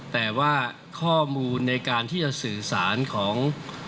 แต่ว่าข้อมูลในการที่จะสื่อสารของ